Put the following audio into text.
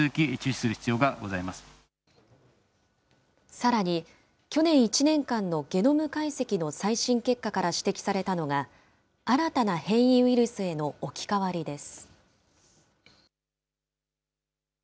さらに、去年１年間のゲノム解析の最新結果から指摘されたのが、新たな変異ウイルスへの置き換わりです。